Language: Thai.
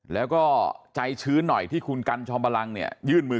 ไม่โดนจับด้วยแล้วหลานเราจะใช้ชีวิตยังไง